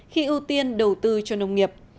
khi ưu tiên đầu tư cho nông nghiệp